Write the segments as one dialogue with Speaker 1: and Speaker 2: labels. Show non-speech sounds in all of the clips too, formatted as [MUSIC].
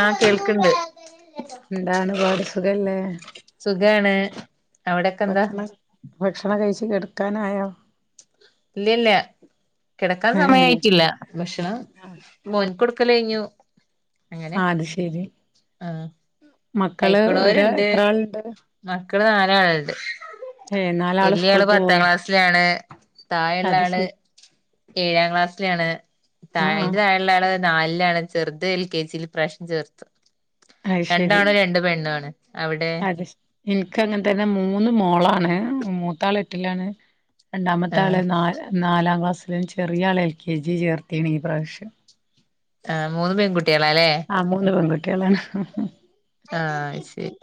Speaker 1: ആഹ് കേൾക്ക്ണ്ട്.
Speaker 2: എന്താണ് പാട് സുഖല്ലേ.
Speaker 1: സുഖാണ് അവിടെക്കെ എന്താ
Speaker 2: ഭക്ഷണ ഭക്ഷണം കഴിച്ചൊ? കെട്ക്കാനായോ?
Speaker 1: ഇല്ലല്ല കിടക്കാൻ
Speaker 2: ഏ
Speaker 1: സമയായിട്ടില്ല. ഭക്ഷണം
Speaker 2: ആ
Speaker 1: മോൻക് കൊടു ക്കലേഞ്ഞു. അങ്ങനെ.
Speaker 2: അത് ശരി
Speaker 1: ആ.
Speaker 2: മക്കള് ഒരു
Speaker 1: കഴിക്കുന്നോരുണ്ട്.
Speaker 2: എത്ര ആളുണ്ട്
Speaker 1: മക്കള് നാല് ആളുണ്ട്
Speaker 2: ഏ നാലാള്
Speaker 1: വലിയ
Speaker 2: സ്കൂൾ
Speaker 1: ആള്
Speaker 2: പോവോ
Speaker 1: പത്താം ക്ലാസ്സില് ആണ്. താഴെയുള്ള
Speaker 2: അത്
Speaker 1: ആള്
Speaker 2: ശരി
Speaker 1: ഏഴാം ക്ലാസ്സിലാണ്.
Speaker 2: ആ ആ
Speaker 1: അതിന്റെ താഴെള്ള ആള് നാലിലാണ്. ചെറുത് എൽ കെ ജി ല് ഇപ്രാവശ്യം ചേർത്ത്.
Speaker 2: അഹ് ശരി.
Speaker 1: രണ്ട് ആൺ. രണ്ട് പെണ്ണാണ്. അവിടെ?
Speaker 2: അത് ഇൻക്ക് അങ്ങനെ തന്നെ മൂന്ന് മോളാണ്. മൂത്താൾ എട്ടിലാണ്. രണ്ടാമത്തെ
Speaker 1: ആഹ്
Speaker 2: ആള് നല് നാലാം ക്ലാസ്. ചെറിയ ആളെ എൽ കെ ജി ചേർത്തീണ്. ഈ പ്രാവശ്യം.
Speaker 1: ആ. മൂന്ന് പെൺകുട്ടി.
Speaker 2: ആഹ. മൂന്ന് പെണ്ണ്. [UNINTELLIGIBLE]
Speaker 1: ആ. അത് ശരി.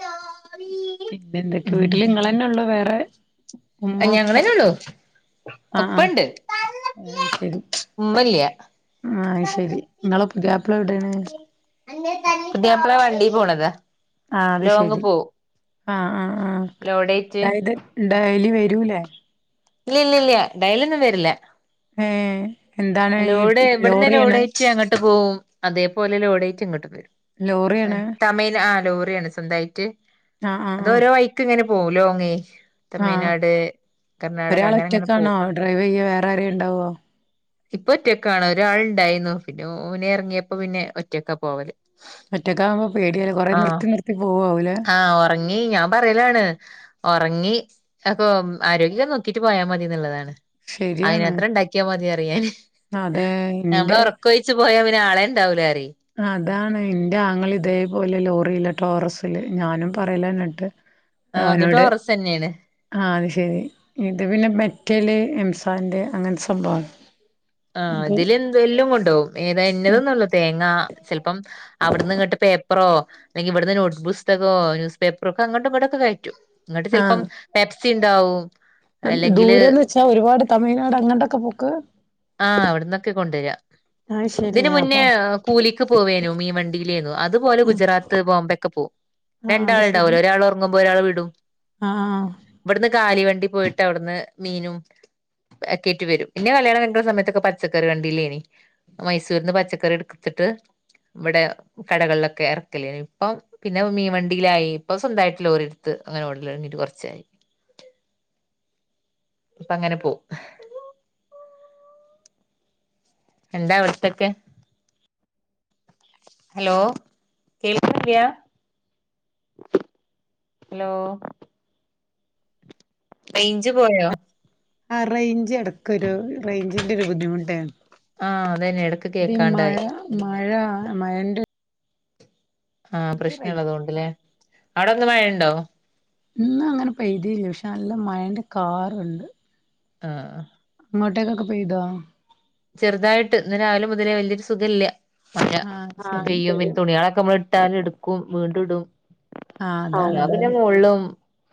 Speaker 2: പിന്നെ എന്തൊക്കെവീട്ടിൽ നിങ്ങന്നെ ഉള്ളു? വേറെ ഉമ്മ ഉപ്പ
Speaker 1: ഞങ്ങളെന്നൊള്ളു.
Speaker 2: ആ ആ
Speaker 1: പ്പണ്ട്. മ്മല്ലൃ.
Speaker 2: ആ. അത് ശരി. നിങ്ങളെ പുതിയാപ്പിള എവിടേണ്.
Speaker 1: പുതിയാപ്പള വണ്ടി പോണതാ
Speaker 2: ആ അത്
Speaker 1: ലോങ്
Speaker 2: ശരി
Speaker 1: പോവും
Speaker 2: ആ. ആ. ആ.
Speaker 1: ലോഡേറ്റ്
Speaker 2: അതായത് ഡയലി വരൂലേ? ഉ
Speaker 1: ഇല്ല ഇല്ല ഇല്ല. ഡയലൃന്നും വരില്ല
Speaker 2: ഏ.
Speaker 1: ലോഡ് ഇവട്ന്ന് ലോഡയ്റ്റ് അങ്ങട്ട് പോവും. അതേ പോലെ ലോഡയ് യ്റ്റ് ഇങ്ങട്ടും വരും.
Speaker 2: ലോറിയാണ്
Speaker 1: തമിയ് ല ആ. ലോറിയാണ്. സ്വന്തായിട്ട്.
Speaker 2: ആഹ്
Speaker 1: അത് ഓരോ വൈക്ക് ഇങ്ങനെ പോലോങ്ങേ
Speaker 2: ആ ഒരാള്
Speaker 1: അങ്ങനെ അങ്ങനെ
Speaker 2: ഒറ്റക്കാണോ
Speaker 1: പോവും
Speaker 2: ഡ്രൈവ്യ്യ വേറാരെണ്ടാവോ
Speaker 1: ഇപ്പൊ ഒറ്റക്കാണ് ഒരാൾണ്ടായിന്നു പിന്നെ ഓനെറങ്ങിയപ്പോ പിന്നെ ഒറ്റക്ക പോവല്
Speaker 2: മറ്റക്കാവുമ്പോ പേടിയാലെ കൊറേ നിർത്തി നിർത്തി പോവവുലേ
Speaker 1: ആ ഒറങ്ങി ഞാൻ പറലാണ് ഓറങ്ങി അപ്പോം ആരോഗ്യ നോക്കീട്ട് പോയാമതിന്ന്ള്ളതാണ്
Speaker 2: ശെരിയാണ്
Speaker 1: അയ്നത്രണ്ടാക്കിയമതിറിയാന്
Speaker 2: അതെ
Speaker 1: നമ്ള
Speaker 2: ഇന്റെ
Speaker 1: ഒറക്കൊഴിച് പോയാപി നാളെണ്ടാവുലറി
Speaker 2: അതാണ് ഇന്റെ ആങ്ങള് ഇതേപോലെ ലോറില ടോറസില് ഞാനും പറയലന്നിട്ട്
Speaker 1: ആഹ് അത്
Speaker 2: അവനോട്
Speaker 1: ടോറസ് തന്നെയാണ്
Speaker 2: ആ അത് ശരി ഇത് പിന്നെ മെറ്റല് എംസ പൻ്റെ അങ്ങൻസ്
Speaker 1: ആ ഇതില് എന്തല്ലും കൊണ്ടവും ഏത ഇന്നതന്നൊള്ളു തേങ്ങ ചെൽപ്പം അവിട്ന്ന് ഇങ്ങട്ട് പേപ്പറോ ല്ലങ്കി ഇവിട്ന്ന് നോട്ട് പുസ്തകോ ന്യൂസ് പേപ്പറൊക്കെ അങ്ങട്ടും ഇങ്ങട്ടൊക്കെ കയറ്റും ഇങ്ങട്ട് ചെൽപ്പം പെപ്സ് സിണ്ടാവും
Speaker 2: ദൂരേന്ന് വച്ചാ ഒരുപാട് തമിഴ്നാട് അങ്ങട്ടൊക്കെ പോ ക്ക്
Speaker 1: ആഹ് അവിട്ന്നൊക്കെ കൊണ്ടര
Speaker 2: അത് ശെരി
Speaker 1: ഇതിന് മുന്നേ
Speaker 2: അപ്പൊ
Speaker 1: കൂലിക്ക് പോവേനും മീ വണ്ടീലേന്നു അത്പോലെ
Speaker 2: ആഹ്
Speaker 1: ഗുജറാത്ത് ബോംബക്കെ പോവും
Speaker 2: ആഹ് അത്
Speaker 1: രണ്ടാൾ
Speaker 2: ശെരി
Speaker 1: ണ്ടാവലോ ഒരാൾ ഒറങ്ങുമ്പോ ഒരാൾ വിടും
Speaker 2: ആഹ്
Speaker 1: ഇവിട്ന്ന് കാലി വണ്ടി പോയിട്ട് അവിട്ന്ന് മീനും ഒക്കെയ്റ്റ് വരും ഇന്നെ കല്യാണകഴി ഇ സമയത്തൊക്കെ പച്ചക്കറി വണ്ടിലേനി. മൈസൂര്ന്ന് പച്ചക്കറി ഇട്ത്തിട്ട് ഇവിടെ കടകൾലൊക്കെ ഇറക്കലേ ഇപ്പ പിന്നെ മീൻവണ്ടീലായി ഇപ്പൊ സ്വന്തയിട്ട് ലോറിട്ത്ത് അങ്ങനെ ഓടലൊട്ങ്ങീട്ട് കൊറച്ചായി ഇപ്പ അങ്ങനെ പോ എന്താ അവിട്തക്കെ ഹലോ കേൾക്ണ്‌ല്ല്യ ഹലോ റയിഞ്ച് പോയൊ
Speaker 2: ആ റെയ്ഞ്ച് എടക്കൊരു റേയ്ഞ്ചിന്റെരു ബുദ്ധിമുട്ടേ
Speaker 1: ആ അതന്നെ എടക്ക് കേക്കാണ്ടായി
Speaker 2: മഴ മഴന്റെ
Speaker 1: ആ
Speaker 2: തീരെ റേഞ്ച് കിട്ടൂല
Speaker 1: പ്രശ്നള്ളതോണ്ട്ലെ അടെന്ന് മഴൻ- - ണ്ടോ
Speaker 2: ഇന്ന അങ്ങനെ പെയ്തീല്ല ക്ഷെ നല്ല മഴന്റെ കാറ്ണ്ട്
Speaker 1: ആ ആ
Speaker 2: ങ്ങോട്ടെക്കൊക്കെ പെയ്തോ
Speaker 1: ചെറ്തായിട്ട് ഇന്ന് രാവിലെ മുതലേ വല്ല്യരു സുഖല്ല്യ മഴ
Speaker 2: ആഹ്
Speaker 1: ആ
Speaker 2: ശെരി
Speaker 1: പെയ്യുമ്പ തുണിളൊ ക്ക മ്മൾട്ടാല് ഇട്ക്കും വീണ്ടു ഇടും
Speaker 2: ആഹ്
Speaker 1: ആ
Speaker 2: അതാണ്
Speaker 1: ഞാൻ പിന്നെ
Speaker 2: അതാണ്
Speaker 1: മോൾളും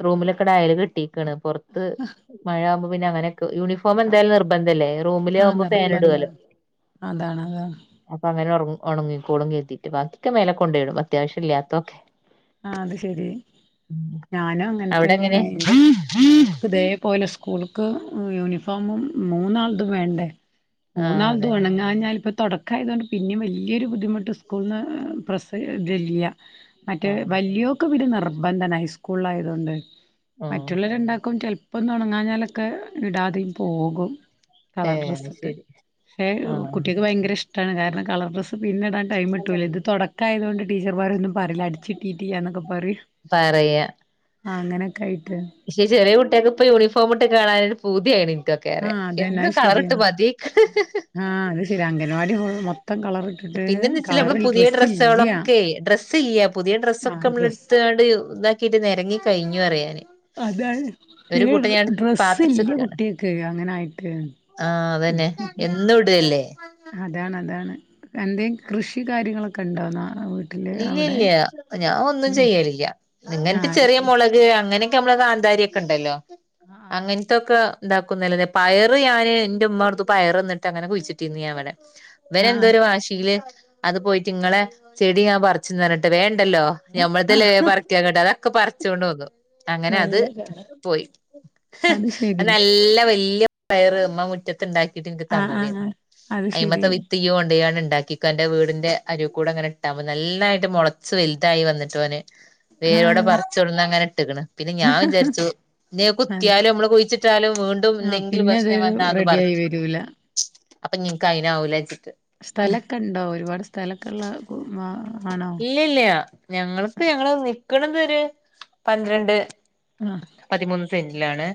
Speaker 1: റൂമിലൊക്കെടായല് കിട്ടി ക്ണ് പൊറത്ത് മഴാമ്പ പിന്നെ അനൊെ യൂണിഫോം എന്തായാലും നിർന്ധംല്ലേ റൂമിലാമ്പോ
Speaker 2: ർബന്ത അതാണതണ്
Speaker 1: അങ്ങന ഉണങ്ങിക്ക കുളുി എത്തിയിട്ട് ബാക്കിക്ക്െ മലെ കൊണ്ടയിടും അത്യാവശ്യ ഇല്ലാത്തൊക്കെ
Speaker 2: ആ അത് ശെരി ഞാനും അങ്ങനെ
Speaker 1: അവിടെ എങ്ങനെ
Speaker 2: തന്നെയാണ് എന്റെ മോൾക്ക് ഇതേ പോലെ സ്കൂൾക്ക് യൂണിഫോമും മൂന്നൾദും വേണ്ടെ
Speaker 1: ആഹ്
Speaker 2: മൂന്നാൾ
Speaker 1: അതെ
Speaker 2: തോണങ്ങ ഞപ്പ തുടക്കായതുകൊണ്ട് പിനേം വലിയൊരു ബുദ്ധിമുട്ട് കൊന്ന് പ്രസ് ദല്ലിയ
Speaker 1: ആഹ്
Speaker 2: വല്യോക്കിവിടെ [UNINTELLIGIBLE] ർബന്ധന ഹൈസ്കൂള ആയതുകൊണ്ട്
Speaker 1: ആഹ്
Speaker 2: മറ്റുള്ളവരുണ്ടാക്കും ച ഇപ്പൊ തുടങ്ങാഞ്ഞാലൊക്കെ ഇടാതെയും പോകും കളർ
Speaker 1: ഏഹ് അത്
Speaker 2: ഡ്രസ്സ് ഇട്ട്
Speaker 1: ശരി
Speaker 2: പക്ഷെ
Speaker 1: ആഹ്
Speaker 2: കുട്ടികക്ക് ഭയങ്കര ഇഷ്ടമാണ് കാരണം കളർ ഡ്രസ്സ് പിന്നെ ഇടാൻ ടൈം കിട്ടൂല ഇത് തുടക്കായതുകൊണ്ട് ടീച്ചർമാരൊന്നും പറയിില്ല അടിച്ചി തീട്ടി എക്ക് പറയും
Speaker 1: പറയാ
Speaker 2: ആ അങ്ങനെ
Speaker 1: പക്ഷെ ചെറിയ കുട്ടികക്കെ ഇപ്പൊ യൂണിഫോമ ഇട്ട് കാണാനും പൂതിയാണ് എനിക്കൊക്കെ
Speaker 2: ആ
Speaker 1: അറിയ
Speaker 2: അതെന്നാ
Speaker 1: എന്നും കളറിട്ട്
Speaker 2: ശരിയാണ്
Speaker 1: മതി
Speaker 2: ആ അത് ശരി അംഗൻവാടി മൊം മൊത്തം കളർ ഇട്ടിട്ട്
Speaker 1: പിന്നെന്ന്
Speaker 2: കളറൽ ഡ്രെസ്സ് ഇല്ല
Speaker 1: സ്യം പുതിയ ഡ്രസ്സൊക്കെ
Speaker 2: ആഹ്
Speaker 1: നമ്മള
Speaker 2: ഡ്രസ്സ്
Speaker 1: എടുത്താണ്ട് ഇതാക്കിയിട്ട് നിരങ്ങി കഴിഞ്ഞു അറിയാന്
Speaker 2: അത
Speaker 1: ഒരു
Speaker 2: പിന്നെ
Speaker 1: കൂട്ടം ഞാൻ
Speaker 2: ഡ്രസ്സ് ഇല്ല
Speaker 1: പാത്തിച്ചക്കാണ്
Speaker 2: കുട്ടികക്ക് അങ്ങനായിട്ട്
Speaker 1: ആഹ് അതന്നെ എന്നും ഇടല്ലേ
Speaker 2: അതാണ് അതാണ് എന്തെ കൃഷി കാര്യങ്ങളൊക്കെ ഉണ്ടോന്നാൽ
Speaker 1: ഇല്ല ഇല്ല ഞാൻ ഒന്നും
Speaker 2: ഉം
Speaker 1: ചെയ്യലില്ല
Speaker 2: ആഹ്
Speaker 1: നിങ്ങനത്തെ
Speaker 2: അത്
Speaker 1: ചെറിയ
Speaker 2: ശരി
Speaker 1: മുളക് അങ്ങനെ നമ്മള് കാന്താരി ഒക്കെ ഉണ്ടല്ലോ
Speaker 2: ആഹ്
Speaker 1: അങ്ങനത്തൊക്കെ ഉണ്ടാക്കുന്നല്ല പയറ് ഞാന്ൻ എന്റെറ ഉമ്മമാടുത്ത് പയർന്നിട്ട്ങ്ങനെ കുഴിച്ചിന്ന് ഞൻവിടെ പിന
Speaker 2: ആഹ്
Speaker 1: എന്തോരു വാശിയില് അത് പോയിട്ടിങ്ങളെ ചെടി ഞാൻ പറിചുന്നറഞ്ഞിട്ട് വേ ണ്ടല്ലോ ഞമ്മളതല്ലേ
Speaker 2: ആഹ്
Speaker 1: പറിക്കൻ കിട്ട അതൊക്കെ പറി ച്ചോണ്ട് പോകും അങ്ങനെ അത്
Speaker 2: നല്ല കഥ
Speaker 1: പോയി അത് നല്ല വല്യ പയറ് മ്മ മുറ്റത്ത്ത്തുണ്ടാക്കി നിക്ക്
Speaker 2: ആഹ്
Speaker 1: തന്നതായിരുന്നു
Speaker 2: ആഹ് അത്
Speaker 1: അയിമത്തെ
Speaker 2: ശരി
Speaker 1: വിത്തിയ്യ് കൊണ്ടയിങ്ങാണ്ട് ഇൻ ഉണ്ടാക്കിക്ക എന്റെ വീടിന്റെ അരൂ കൂടെങ്ങനെ കിട്ടാ്പ നന്നായിട്ട് മുളച്ചു വലുതായി വന്നിട്ടോന് വേരോടെ
Speaker 2: ആഹ്
Speaker 1: പറിച്ചൊട്ന്നങ്ങനെ ഇട്ടക്കണ് പിന്നെ ഞാൻ വിചാരിച്ചു ഞ്ഞിയത്
Speaker 2: അതെ
Speaker 1: കുത്തിയാലും നമ്മള് കുഴിച്ചിട്ടാലും വീണ്ടും
Speaker 2: ആഹ്
Speaker 1: എന്തെങ്കിലും
Speaker 2: പിന്നെ
Speaker 1: പ്രശ്നം വന്നാ അത്
Speaker 2: റെഡി ആയി
Speaker 1: പറിച്ചു
Speaker 2: വരൂല
Speaker 1: അപ്പൊഞ്ഞിൻക്ക് അയിന ആവൂലാച്ച്
Speaker 2: സ്ഥലൊക്കെ ഉണ്ടോ? ഒരുപാട് സ്ഥലൊക്ക ഉള്ള ആ ആണോ
Speaker 1: ഇല്ല ഇല്ല ഞങ്ങള്ക്ക് ഞങ്ങള് നിക്ക് ക്കണതൊര് പന്ത്രണ്ട്
Speaker 2: ആ
Speaker 1: പതിമൂന്ന് സെന്റ് ല്ലാണ്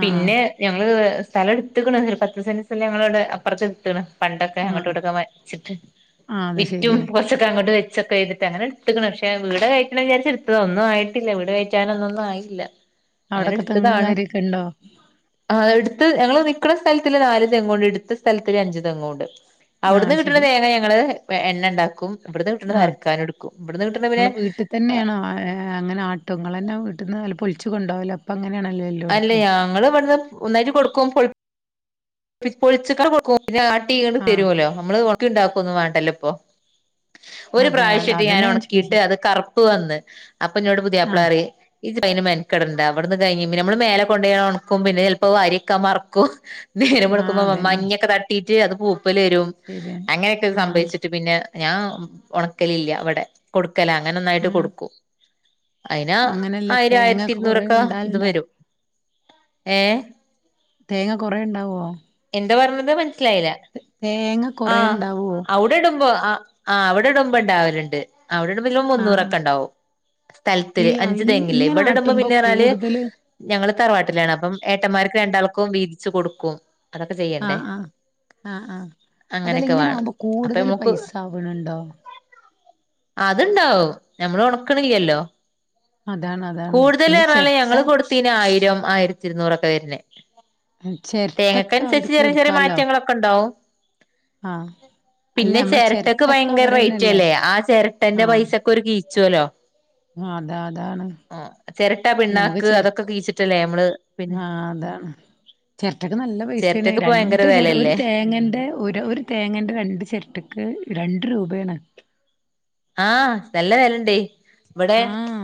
Speaker 2: ആ
Speaker 1: പിന്നെ ഞങ്ങള് വേ സ്ഥലട്തുക്ക്ണ് ഒരു പത്ത് സെന്റ് സ്ഥല ഞങ്ങളവിടെ അപ്പറത്ത് ഇടുത്തുക്ക്ണ് പണ്ടൊക്കെ
Speaker 2: ആ
Speaker 1: അങ്ങട്ടൂഇങ്ങട്ടൂ ഒക്കെ വലിച്ചിട്ട്
Speaker 2: ആ അത്
Speaker 1: വിറ്റും
Speaker 2: ശരിയാ
Speaker 1: അങ്ങോട്ട് വെച്ചക്കെ ചെയ്തിട്ട് അങ്ങനെ ടുത്തുക്കണ് പക്ഷെ വീട് കയറ്റണം വിചാരിച്ച എടുത്തത ഒന്നും ആയിട്ടില്ല വീട് കയറ്റാനൊന്നും ഒന്നുമായില്ല.
Speaker 2: അവിടൊക്കെ തെങ്ങ് കാര്യോക്കെണ്ടോ?
Speaker 1: ഇണ്ട് ഞങ്ങള് നിക്ണ സ്ഥലത്തില് നാല് തെങ്ങുണ്ട് എടുത്ത സ്ഥലത്തില് അഞ്ചു തെങ്ങുണ്ട്
Speaker 2: ആ
Speaker 1: അവിടുന്ന് കിട്ടുന്ന
Speaker 2: ശരി
Speaker 1: തേങ്ങ ഞങ്ങള് എണ്ണ ഉണ്ടാക്കും ക്കും
Speaker 2: ആ ങ്ങെള്
Speaker 1: പിന്നെ
Speaker 2: വീട്ടിതന്നെയാണോ ആ അങ്ങനെ ആട്ടും ങ്ങളന്നെ വീട്ടിന്ന് പൊളി ച്ചു കൊണ്ടാവലാപൊ
Speaker 1: അല്ല ഞങ്ങള് ഇവിടുന്ന് ഒന്നായിട്ട് കൊടുക്കും പൊളി പൊളിച്ചക്കാർ കൊടുക്കും പിന്നെ ആട്ടിങ്ങട്ട്
Speaker 2: ആ
Speaker 1: തരൂല്ലോ നമ്മള് ഒ ഇക്ക ഉണ്ടാകൊന്നും വേണ്ടല്ല ഇപ്പൊ. ഒരു
Speaker 2: അതെ അതെ
Speaker 1: പ്രാവശ്യമായിട്ട് ഞാൻ
Speaker 2: അതന്നെ ചോദിച്ചെ
Speaker 1: ഉണക്കിയിട്ട് അത് കറുപ്പ് വന്ന് അപ്പൊ എന്നോട്
Speaker 2: ആ
Speaker 1: പുതിയാപ്പിള പറയും. ഇജ് അയിന് മെനക്കെടേണ്ട ഇവിടുന്ന് കഴിഞ്ഞ പിന്നെ നമ്മള് മേലകൊണ്ടോയി ഒണക്കും പിന്നെ ചിലപ്പോ വാരി വെക്കാൻ മറക്കും.
Speaker 2: ആ
Speaker 1: നേരംവെളുക്കുമ്പോ മ
Speaker 2: അതന്നെ
Speaker 1: മഞ്ഞൊക്കെ തട്ടി ചേ അത് പോം പ്പലുരും
Speaker 2: ശരിയാണ്
Speaker 1: അങ്ങനെക്കെ
Speaker 2: ആ
Speaker 1: സംഭച്ചിട്ട് പിന്നെ ഞാം ഒണക്കലില്ല ഇവ്ടെ കൊടുക് ക്കലാ
Speaker 2: ആ
Speaker 1: അങ്ങനൊന്നായിട്ട് കൊടുക്കും അയിനാ
Speaker 2: അങ്ങനെയല്ല
Speaker 1: ആയിരആയിരത്തി
Speaker 2: തേങ്ങൊക്കെ കൊറേ
Speaker 1: ഇരുന്നൂറൊക്കെ ത്
Speaker 2: ഉണ്ടാവലുണ്ടോ
Speaker 1: വരും ഏ
Speaker 2: തേങ്ങ കൊറേണ്ടാവ്വോ
Speaker 1: ന്താ പറഞ്ഞത് മാ സ്ലായില്ല
Speaker 2: തേങ്ങ
Speaker 1: ആ
Speaker 2: കൊറേ ഉണ്ടാവോ
Speaker 1: അവ്ടെ ഇടുമ്പോ ആ ആ അവിടെട്മ്പണ്ടാവലുണ്ട് അവിടിടുമ്പ ഇത്ൽ
Speaker 2: ആ
Speaker 1: മുന്നൂറൊക്കെണ്ടാവും.
Speaker 2: ഈ
Speaker 1: സ്ഥലത്തില് അഞ്ച്
Speaker 2: അയിന്
Speaker 1: തെങ്ങില്ലെ
Speaker 2: ഇങ്ങനെ
Speaker 1: ഇവിടെ ഇടുമ്പോ
Speaker 2: ആട്ടുമ്പോ
Speaker 1: പിന്നെറാല്
Speaker 2: കൂടുതല്
Speaker 1: ഞങ്ങള് തറവാട്ടിലാണ് അപ്പം ഏട്ടമാര്ക്ക് രണ്ടാൾക്കും വീതിച്ചു കൊടുക്കും അതൊക്കെ ചെയ്യണ്ടേ
Speaker 2: ആഹ് ആഹ് ആഹ് ആഹ് അതെല്ല
Speaker 1: അങ്ങനെയൊക്കെ വേണം
Speaker 2: ഇങ്ങനാകുമ്പോ
Speaker 1: അപ്പൊ
Speaker 2: കൂടുതല് പൈസ ആവണൊണ്ടോ
Speaker 1: അത്ണ്ടാവും ഞമ്മള് ഒണക്കണില്ല്യല്ലോ
Speaker 2: അതാണ് അതാണ്
Speaker 1: കൂടുതല്
Speaker 2: പിന്നെ
Speaker 1: ഇറാളെ
Speaker 2: ചിരട്ട
Speaker 1: ഞങ്ങള് കൊടുത്തീന ആയിരം ആയിരത്തി ഇരുന്നൂറൊക്കെ വരുന്നേ
Speaker 2: ചേര്ട്ട
Speaker 1: ക്കെൻസരിച്ച് ചെറിയ ചെറിയ മാറ്റങ്ങളൊക്കെ ഒണ്ടാവും.
Speaker 2: ആഹ് അല്ല
Speaker 1: പിന്നെ,
Speaker 2: നമ്മളെ
Speaker 1: ചെരട്ടക്ക്
Speaker 2: ചിരട്ടക്കെ
Speaker 1: ഭയങ്കര റേറ്റ്
Speaker 2: അവരന്നെല്ലേ
Speaker 1: അല്ലേ ആ ചെരട്ടന്റെ
Speaker 2: ആഹ്
Speaker 1: പൈസൊക്കെ ഒരു കീ ചോലോ
Speaker 2: അതാ അതാണ്
Speaker 1: ചിരട്ട
Speaker 2: ഞമ്മക്ക്
Speaker 1: പിണ്ണാക്ക്
Speaker 2: ചെര്
Speaker 1: അതൊക്കെ കീച്ചിട്ടല്ലേ നമ്മള് പിന്നെ
Speaker 2: ആഹ് അതാണ് ചെരട്ടക്ക് നൽ ലപൈസയണ്
Speaker 1: ചിരട്ടക്ക് ഇപ്പ ഭയങ്കര
Speaker 2: രണ്ട് ചെര ഒരു
Speaker 1: വിലയല്ലേ
Speaker 2: തേങ്ങേന്റെ ഒരു ഒരു തേങ്ങേന്റെ രണ്ട് ചെരട്ടക്ക് രണ്ട് രൂപെയാണ്
Speaker 1: ആഹ് നല്ല വെല്ലുണ്ട്
Speaker 2: ആഹ്ആ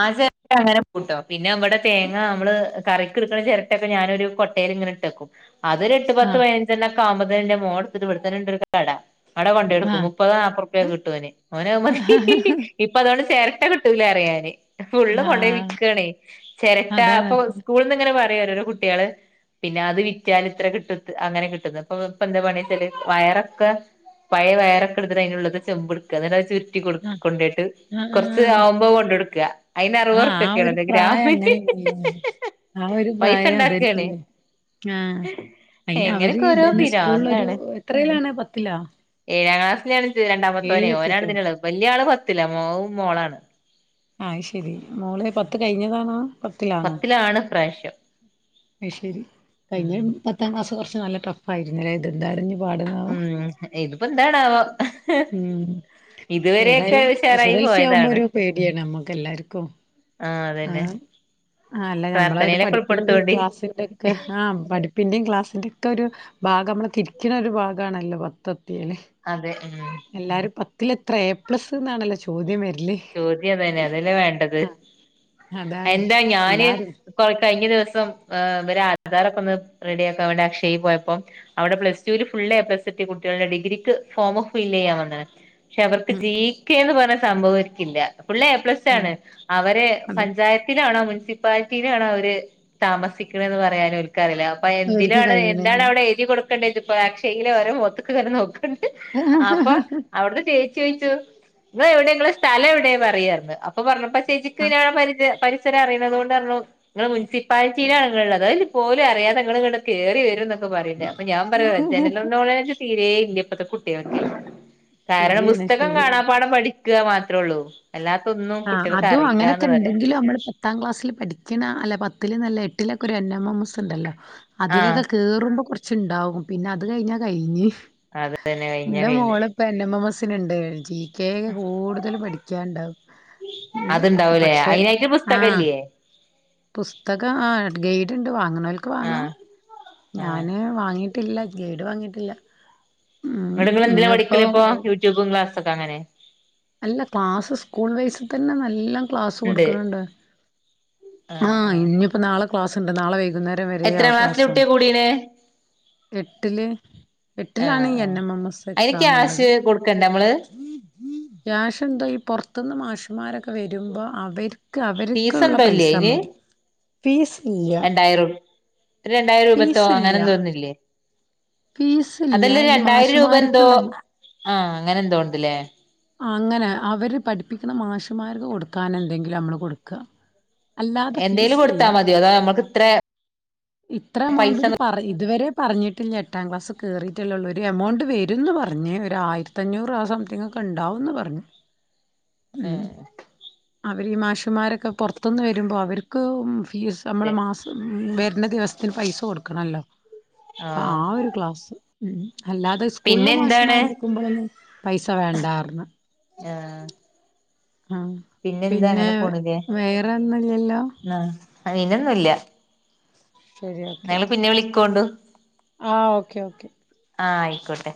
Speaker 1: ആ ചെരട്ട അങ്ങനെ കൂട്ടോ പിന്നെ, ഇവ്ടെ തേങ്ങ മ്മ്ള് കറിക്കിടുക്കണ ചെരട്ടൊക്കെ ഞാനൊരു കൊട്ടേല് ഇങ്ങനെ ഇട്ടേക്കും അതൊര് എട്ട്, പത്ത്,
Speaker 2: ആഹ്
Speaker 1: പൈനഞ്ചണ്ണം കാമ്പ്തേന്റെ മോട്ത്തിട്ട് ഇവിടെ തന്നെ ഉണ്ട് ഒരു കട ആടെ കൊണ്ടെടുക്കും
Speaker 2: ആഹ്
Speaker 1: മുപ്പതോ നാപ്പറുപ്യൊക്കെ കിട്ടുഓന് ഓന്അത് മതി. ഇപ്പൊ അതുകൊണ്ട് ചേര ട്ടെ കിട്ടൂലെ അറിയാൻ എയ് ഫുള്ള് കൊണ്ടോയി
Speaker 2: ആഹ്
Speaker 1: വിക്കാണ് ചെരട്ടാ
Speaker 2: അതാണ്
Speaker 1: അപ്പൊ
Speaker 2: അതാണ്
Speaker 1: സ്കൂള്ന്ന് ഇങ്ങനെ പ ഓരോരോ കുട്ടിയള് പിന്നെ അത് വിറ്റാല് ഇത്ര കിട്ടും അങ്ങനെ കിട്ടുന്ന് ഇപ്പോ എന്താ പണീച്ചാല് വയറൊക്കെ പഴയ വയറൊക്കെ ഇടുത്ത്ട്ട് അയിനുള്ള്ത് ചെമ്പ്ട്ക്കാ എന്നട്ട് അത് ചുരു
Speaker 2: ആഹ്
Speaker 1: കൊണ്ടോയിട്ട് കൊർച്ച് ആവുമ്പോ കൊണ്ടടു
Speaker 2: ആഹ ആ ഒരു പ്രായം അങ്ങനെന്നല്ലേ. ആ ഒരു
Speaker 1: പൈസ
Speaker 2: പ്രായം
Speaker 1: ഉണ്ടാക്കാണ്
Speaker 2: അതന്നെല്ലേ. ആഹ അയിന് അവര്
Speaker 1: എങ്ങനെയൊക്കെ ഓരോ
Speaker 2: ഇതന്നെ സ്കൂൾ ല് ഒരു
Speaker 1: പിരാന്താണ്
Speaker 2: എത്രയിലാണ് പത്തിലാ?
Speaker 1: ഏയാ ക്ലാസ്സിലാണ്. രണ്ടാമത്തോന് ഓനാണ്
Speaker 2: ഏഴിലെത്തിട്ടൊള്ളൂ
Speaker 1: ഇതിന്ള്ള വല്യ ആള് പത്തു പത്തിലാ മോ മോളാണ്.
Speaker 2: അയ് ശരി മോള് പത്ത് കഴിഞ്ഞതാണോ
Speaker 1: പത്തിലാണ് ഇപ്രാവശ്യം.
Speaker 2: അയ് ശരി. കഴിഞ്ഞ
Speaker 1: ഉം
Speaker 2: ഒരു പത്താം ക്ലാസ് കൊ നല്ല ടഫായിരുന്നില്ലേ ഇത് എന്താണെ
Speaker 1: ഉം ഇതിപ്പോ എന്താണാവോ ഇതുവരെയൊക്കെ
Speaker 2: ഏതായാലും എസ്
Speaker 1: ഉഷാറായി
Speaker 2: എസ് എൽ സി ആവുമ്പോ
Speaker 1: പോയതാണ്
Speaker 2: ഒരു പേടിയാണ് നമ്മക്ക് എല്ലാർക്കും
Speaker 1: ആഹ് അതന്നെ
Speaker 2: അല്ല നമ്മള
Speaker 1: പ്രാർത്ഥനയിലൊക്കെ
Speaker 2: പഠിപ്പി
Speaker 1: ഉൾപ്പെടുത്തോണ്ടി
Speaker 2: ക്ലാസ്സിന്റെറെ ഒക്കെ ആ പഠിപ്പിന്റെയും ക്ലാസ്സിന്റെ ഒക്കെ ഒരു ഭാഗം നമ്മളെ തിരിക്കണ ഒരു ഭാഗമാണല്ലോ പത്ത [UNINTELLIGIBLE]
Speaker 1: അതെ ഉം
Speaker 2: എല്ലാരും പത്തിലെത്ര എ പ്ലസ്ന്നാണല്ലോ ചോദ്യം വര
Speaker 1: ചോദ്യതന്നെ അതല്ലേ വേണ്ടത്,
Speaker 2: അതാണ്
Speaker 1: എന്താ ഞാന്
Speaker 2: എല്ലാരും
Speaker 1: കൊ കഴിഞ്ഞ ദി സം ഇവര ആദാറക്കൊന്ന് റെഡിയാക്കാം വേണ്ടി അക്ഷെയ്യി പോയപ്പോ അവിടെ പ്ലസ് ടൂല് ഫുൾ എ പ്ലസ് കുട്ടികൾ ഡിഗ്രിക്ക് ഫോമ് ഫില്ലെയാൻ വന്നെന് ക്ഷെ അവർക്ക് ജീക്കേ എന്ന് പറ സംഭവൊര് ക്കില്ല. ഫുൾ എ പ്ലസ്
Speaker 2: ആ
Speaker 1: ആണ്. അവരെ
Speaker 2: അതെ
Speaker 1: പഞ്ചായത്തിലാണോ മുൻ മുൻസിപ്പാലിറ്റിയിലാണ് അവര് താമസിക്കണെന്ന് പറയാല്ലോ അപ്പൊ
Speaker 2: അവർക്ക്
Speaker 1: എന്തിനാണ്
Speaker 2: കഴിയണില്ല
Speaker 1: എന്താണ് അവിടെ എഴുതി കൊടു [UNINTELLIGIBLE] അക്ഷെയെലവര മുഖത്ത്ക്ക് വര നോക്കാ ട്ട് അപ്പൊ അവിടുന്ന് ചേ ചോയിച്ചോ ഇങ്ങള് എവിട ഇങ്ങള് സ്ഥല എവിടെ പറയാര്ന്ന് അപ്പൊ പറഞ്ഞപ്പ ചേച്ചിക്ക് ഞ, പരിജയ, പരി ച്ചൊരെ അറിയണതോണ്ട് റഞ്ഞു ഇങ്ങള് മുൻസിപ്പാലിറ്റിയിലാള്ളത്. അതി പോലും അറിയാതെ നിങ്ങള് ഇങ്ങട് കേറിവരുംന്നൊക്കെ പറയണുണ്ടാര്ന്ന്. ഞാ പറയാ ജനനോളെജ് തീരെ ഇല്ല ഇപ്പത്തെ കുട്ടിയക്കെ. കാരണം
Speaker 2: ശരിയാണ്
Speaker 1: പുസ്തകം കാണാ
Speaker 2: ശരിയാണ്
Speaker 1: പാഠം പഠി ഗാ മാ ത്രൊള്ളൂ
Speaker 2: ആ അതും അങ്ങനൊക്കെണ്ടെങ്കിലും അമ്മള് പത്താം ക്ലാസ്സില് പഠിക്ക്ണാ അല്ല പ ത്തില്ന്നല്ല എട്ടിലൊക്കെ ഒരു എന്നാമോമോസ് ഇണ്ടല്ലോ
Speaker 1: ആഹ്
Speaker 2: അതിലൊക്കെ കേറുമ്പോ കൊർ ച്ച്ണ്ടാവും പിന്നെ അത് കഴിഞ്ഞാ കഴിഞ്ഞ്
Speaker 1: അത് തന്നെ കഴിഞ്ഞ
Speaker 2: ഇന്റൊ
Speaker 1: കഴിഞ്ഞ്
Speaker 2: മോള്പ്പൊ എന്നെമമാസ് ത്തിന്ണ്ട് [UNINTELLIGIBLE] ട്യാക്ക് കൂടുതല് പടിക്കാുണ്ടാവും
Speaker 1: അത്ണ്ടാവൂലേ അയിനായിട്ട്
Speaker 2: ആഹ്
Speaker 1: പുസ്തകല്ലേ
Speaker 2: പുസ്തകം ആ ഗെയ്ഡ്ണ്ട് വാങ്ങ്ണോൽക്ക് വാങ്ങാ
Speaker 1: ആഹ് ആഹ്
Speaker 2: ഞാന് വാങ്ങി ട്ടില്ല ഗൈഡ് വാങ്ങിട്ടില്ല. ഉം
Speaker 1: ഇങ്ങട്ട് ങ്ങള് എന്തിലാ
Speaker 2: ഇനിയിപ്പോ
Speaker 1: പഠിക്കല് അപ്പോ യൂട്യൂബും ക്ലാസ് ക്കൊ അങ്ങനെ
Speaker 2: അല്ല ക്ലാസ് സ്കൂൾ വൈസ് തന്നെ നല്ലം ക്ലാസ്
Speaker 1: ഇണ്ട്
Speaker 2: കൊടുക്ക്ണണ്ട് ആഹ് ഇഞ്ഞിപ്പം നാളെ ക്ലസ്ണ്ട് നാളെ വൈ വൈകുന്നേരം വരെ ആ
Speaker 1: എത്രാം ക്ലാസ്സിലെ
Speaker 2: ക്ലാസാണ്
Speaker 1: കുട്ടിയ കൂടീണ്
Speaker 2: എട്ടില് എട്ടിലാണ്
Speaker 1: ആഹ്
Speaker 2: ഈ എൻ
Speaker 1: ആഹ്
Speaker 2: എം എം എസ്
Speaker 1: അയിന്
Speaker 2: എക്സാമ്ള്ളത്
Speaker 1: ക്യാഷ് കൊടുക്കണ്ടേ നമ്മള്
Speaker 2: കാഷെന്തോ ഈ പൊർത്ത്ന്ന് മാഷ്മാരൊക്കെ വരുമ്പോ അവർ ക്ക്
Speaker 1: ഫീസ്
Speaker 2: അവര്ക്ക്ള്ള
Speaker 1: എന്തോ ഇല്ലേ അയിന്
Speaker 2: പൈസണ്ടാവും ഫീസ് ഇല്ല
Speaker 1: രണ്ടായിരം ഒരു രണ്ടായിരം രൂപത്തോ
Speaker 2: ഫീസ്
Speaker 1: അങ്ങനെ
Speaker 2: ഇല്യാ
Speaker 1: എന്തോന്നില്ലേ
Speaker 2: ഫീസ്‌ ല്യ ഈ മാഷ്മാര്ക്ക്ള്ള
Speaker 1: ആ അങ്ങനെ എന്തോണ്ട്ലേ
Speaker 2: അങ്ങനെ അവര് പഠ്പ്പിക്കുന്ന മാഷമാര്ക്ക് കൊടുക്കാനന്തെങ്കിലും അമ്മള് കൊടുക്കാ
Speaker 1: എന്തേലും കൊട്ത്താ മതിയോ അതോ നമ്മൾക്ക് ഇത്രെ
Speaker 2: ഇത്ര എമൗണ്ട്ന്ന് പറ ഇതുവരെ പറഞ്ഞിട്ടില്ല എട്ടാം ക്ലാസ് കേറീട്ടല്ലള്ളൂ. ഒരു എമൗണ്ട് വരുംന്ന് പറഞ്ഞ് ഒരു ആയിരത്തഞ്ഞൂറ് ആ സംതിങ്ങൊക്കെ ഇണ്ടാവുന്ന് പറഞ്ഞ് ഉം അവര് ഈ മാഷ്മാരൊക്കെ പൊർത്ത്ന്ന് വെരുമ്പൊ അവര്ക്ക് ഫീസ് അമ്മള്
Speaker 1: അതെ
Speaker 2: മാസം വെ ഇന്ന ദിവസ്ത്തിന് പൈസ കൊടുക്കണല്ലോ അപ്പൊ
Speaker 1: ആഹ്
Speaker 2: ആ ഒരു ക്ലാസ് ഉം അല്ലാതെ സ്കൂൾലെ
Speaker 1: പിന്നെ എന്താണ്
Speaker 2: മാഷ്മാര്ട്ക്കുമ്പോഴൊന്നും പൈസ വേണ്ടാർന്ന്
Speaker 1: ആഹ്
Speaker 2: ഉം
Speaker 1: പിന്നെന്താ
Speaker 2: പിന്നെ
Speaker 1: അങ്ങനെ പോണില്ലേ
Speaker 2: വേറൊന്നും ഇല്യല്ലോ?
Speaker 1: അങ്ങനെയൊന്നുമില്ല.
Speaker 2: ശരി ഓക്കേ
Speaker 1: ക്കുണ്ടേ.
Speaker 2: ആഹ് ഓക്കേ ഓക്കേ.
Speaker 1: ആഹ് ആയിക്കോട്ടെ.